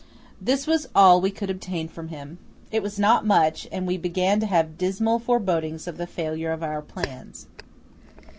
This was all we could obtain from him. It was not much; and we began to have dismal forebodings of the failure of our plans.